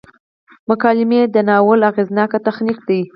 مکالمې د ناول اغیزناک تخنیک دی.